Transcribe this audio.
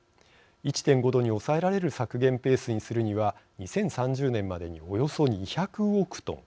℃に抑えられる削減ペースにするには２０３０年までにおよそ２００億トン。